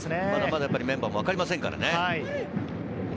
まだまだメンバーもわかりませんからね。